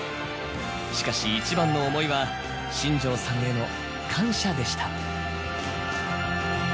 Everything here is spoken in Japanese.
しかし一番の思いは新庄さんへの感謝でした。